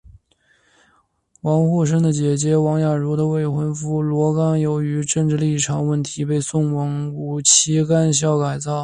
王沪生的姐姐王亚茹的未婚夫罗冈由于政治立场问题被送往五七干校改造。